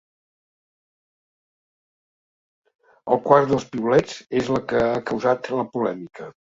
El quart dels piulets és la que ha causat la polèmica.